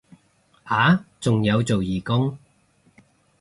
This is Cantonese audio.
啊仲有做義工